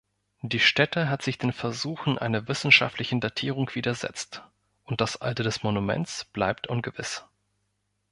Die Stätte hat sich den Versuchen einer wissenschaftlichen Datierung widersetzt, und das Alter des Monuments bleibt ungewiss.